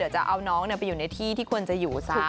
เดี๋ยวจะเอาน้องไปอยู่ในที่ที่ควรจะอยู่ซะ